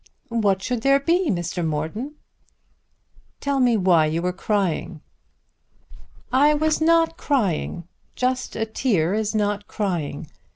"What should there be, Mr. Morton!" "Tell me why you were crying." "I was not crying. Just a tear is not crying.